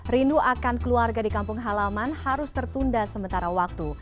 rindu akan keluarga di kampung halaman harus tertunda sementara waktu